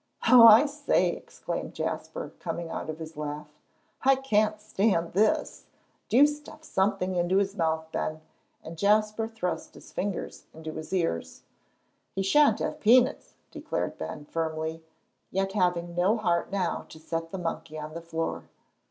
"Oh, I say!" exclaimed Jasper, coming out of his laugh, "I can't stand this. Do stuff something into his mouth, Ben," and Jasper thrust his fingers into his ears. "He shan't have peanuts," declared Ben, firmly, yet having no heart now to set the monkey on the floor.